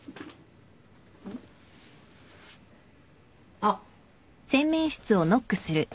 あっ。